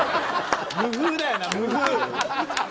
無風だよな、無風。